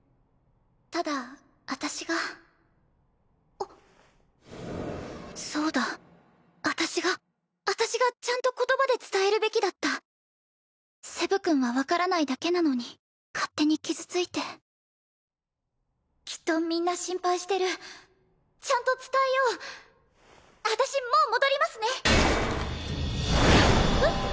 ただ私がそうだ私が私がちゃんと言葉で伝えるべきだったセブ君は分からないだけなのに勝手に傷ついてきっとみんな心配してるちゃんと伝えよう私もう戻りますねえっ？